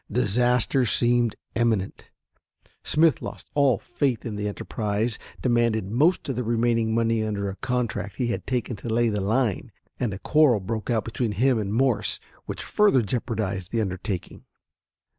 Disaster seemed imminent. Smith lost all faith in the enterprise, demanded most of the remaining money under a contract he had taken to lay the line, and a quarrel broke out between him and Morse which further jeopardized the undertaking.